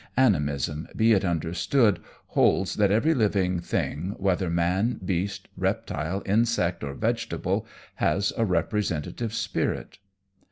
Animism, be it understood, holds that every living thing, whether man, beast, reptile, insect, or vegetable, has a representative spirit.